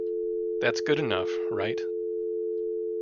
That's good enough, right?